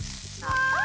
ああ！